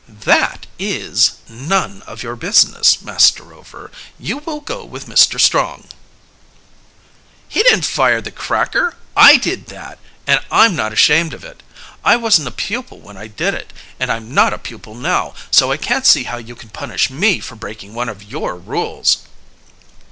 "That is... none of your business, Master Rover. You will go with Mr. Strong." "He didn't fire the cracker. I did that! And I'm not ashamed of it. I wasn't a pupil when I did it, and I'm not a pupil now, so I can't see how you can punish me for breaking one of your rules."